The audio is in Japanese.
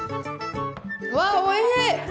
うわおいしい！